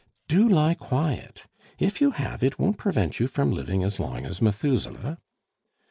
"Do lie quiet; if you have, it won't prevent you from living as long as Methuselah."